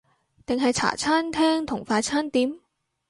定係茶餐廳同快餐店？